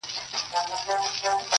چي ناڅاپه سوه پیشو دوکان ته پورته؛